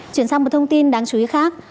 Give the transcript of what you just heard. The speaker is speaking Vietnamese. chuyển sang một thông tin đáng chú ý khác